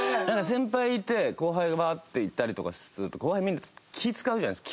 先輩いて後輩がバーッていたりとかすると後輩みんな気ぃ使うじゃないですか。